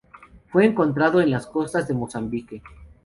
Fue encontrada en las costas de Mozambique.